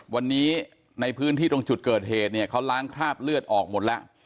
วันนี้ในพื้นที่ตรงจุดเกิดเหตุเนี่ยเขาล้างคราบเลือดออกหมดแล้ว